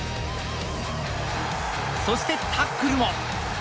そしてタックルも。